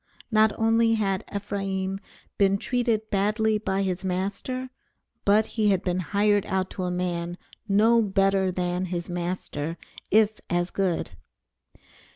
Not only had Ephraim been treated badly by his master but he had been hired out to a man no better than his master, if as good.